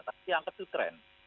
tapi yang itu tren